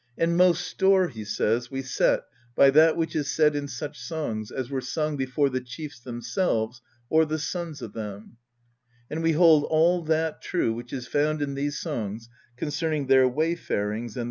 'And most store,' he says, 'we set by that which is said in such songs as were sung before the chiefs themselves or the sons of them; and we hold all that true which is found in these songs concerning their wayfarings and their battles.'